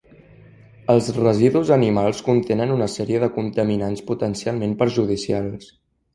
Els residus animals contenen una sèrie de contaminants potencialment perjudicials.